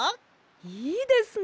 いいですね！